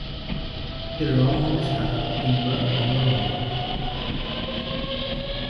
এর রং হবে সাদা কিংবা কমলা রঙের।